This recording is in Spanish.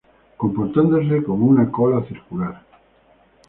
Comportándose como una cola circular.